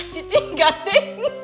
cici nggak den